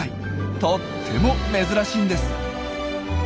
とっても珍しいんです。